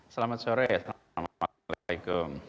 selamat sore assalamualaikum